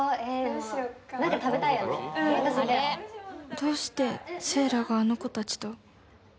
どうして聖羅があの子たちと？